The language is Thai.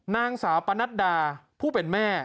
นางสาวปนัดดาผู้เป็นแม่